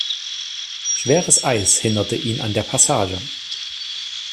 Schweres Eis hinderte ihn an der Passage.